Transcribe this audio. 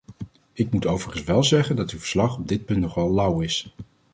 Ik moet overigens wel zeggen dat u verslag op dit punt nogal lauw is.